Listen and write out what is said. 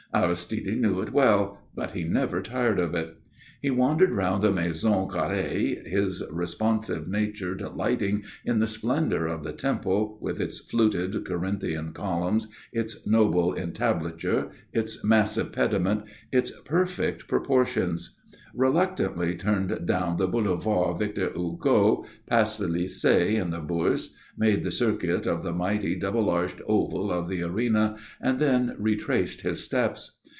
Aristide knew it well; but he never tired of it. He wandered round the Maison Carrée, his responsive nature delighting in the splendour of the Temple, with its fluted Corinthian columns, its noble entablature, its massive pediment, its perfect proportions; reluctantly turned down the Boulevard Victor Hugo, past the Lycée and the Bourse, made the circuit of the mighty, double arched oval of the Arena, and then retraced his steps.